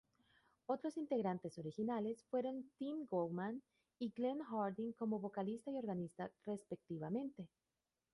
Otros integrantes originales fueron Tim Goldman y Glen Hardin como vocalista y organista respectivamente.